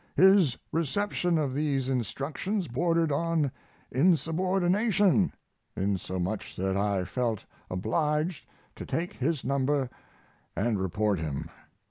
His reception of these instructions bordered on insubordination, insomuch that I felt obliged to take his number and report him.